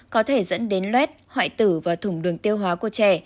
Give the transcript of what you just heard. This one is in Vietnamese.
có thể dẫn đến luet hoại tử và thủng đường tiêu hóa của trẻ